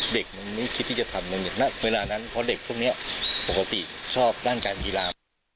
เด็กมันไม่คิดที่จะทำเนี่ยเมื่อไหร่นั้นเพราะเด็กพวกเนี่ยปกติชอบด้านการอีรา